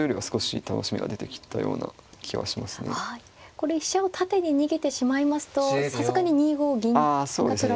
これ飛車を縦に逃げてしまいますとさすがに２五銀が取られて。